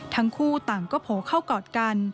ทั้งคู่ต่างก็โผล่เข้ากอดกัน